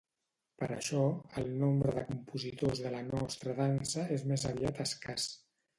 Per això, el nombre de compositors de la nostra dansa és més aviat escàs.